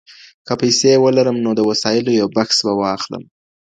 که پیسې ولرم نو د وسایلو یو بکس به واخلم.